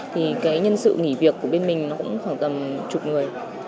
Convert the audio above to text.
thì cái nhân sự nghỉ việc của bên mình nó cũng khoảng tầm chục người